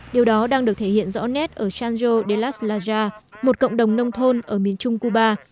điều đó đang được thể hiện rõ nét ở chancho de las lajas một cộng đồng nông thôn ở miền trung cuba